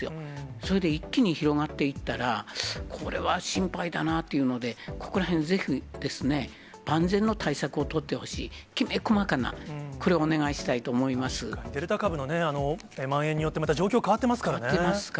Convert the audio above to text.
それで一気に広がっていったら、これは心配だなっていうので、ここらへん、ぜひ、万全の対策を取ってほしい、きめこまかな、デルタ株のまん延によって、変わってますからね。